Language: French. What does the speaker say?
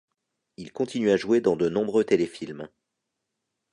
Il continue à jouer dans de nombreux téléfilms.